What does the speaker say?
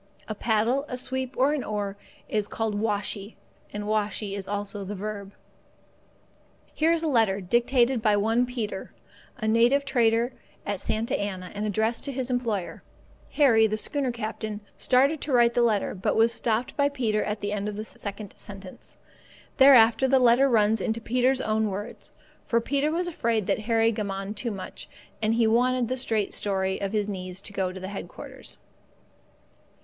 A paddle, a sweep, or an oar, is called washee, and washee is also the verb. Here is a letter, dictated by one Peter, a native trader at Santa Anna, and addressed to his employer. Harry, the schooner captain, started to write the letter, but was stopped by Peter at the end of the second sentence. Thereafter the letter runs in Peter's own words, for Peter was afraid that Harry gammoned too much, and he wanted the straight story of his needs to go to headquarters.